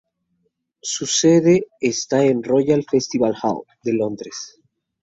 Su sede está en el Royal Festival Hall de Londres.